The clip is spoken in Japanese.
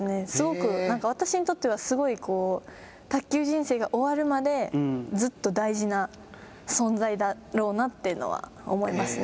私にとってはすごく私にとっては、卓球人生が終わるまで、ずっと大事な存在だろうなというのは思いますね。